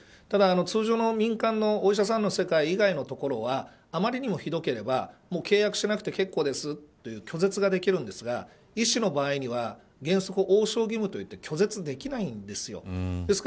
ただ、通常の民間のお医者さんの世界以外のところはあまりにもひどければ契約しなくて結構ですと拒絶ができるんですが医師の場合は、原則、応召義務といって、拒絶できないんです。